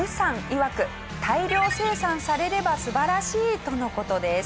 いわく大量生産されれば素晴らしいとの事です。